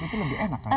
itu lebih enak